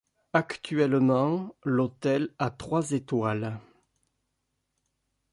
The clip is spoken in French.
Actuellement l’hôtel a trois étoiles.